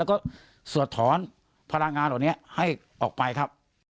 และก็สวัสดิ์ถรอนพลังงานแบบนี้ให้ออกไปครับ